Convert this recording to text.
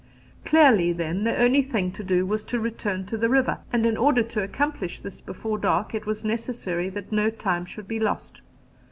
Clearly, then, the only thing to do was to return to the river; and in order to accomplish this before dark it was necessary that no time should be lost.